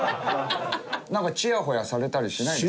ちやほやされたりしない？